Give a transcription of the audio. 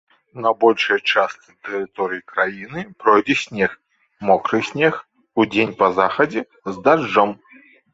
На большай частцы тэрыторыі краіны пройдзе снег, мокры снег, удзень па захадзе з дажджом.